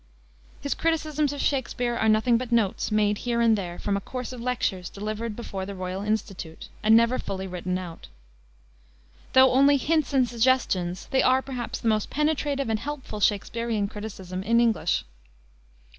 His criticisms of Shakspere are nothing but notes, made here and there, from a course of lectures delivered before the Royal Institute, and never fully written out. Though only hints and suggestions, they are, perhaps, the most penetrative and helpful Shaksperian criticism in English.